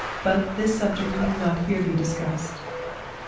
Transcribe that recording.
But this subject need not here be discussed.